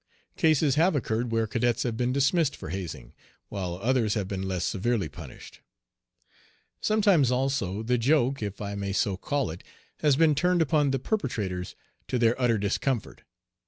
Cases have occurred where cadets have been dismissed for hazing, while others have been less severely punished. Sometimes, also, the joke, if I may so call it, has been turned upon the perpetrators to their utter discomfort.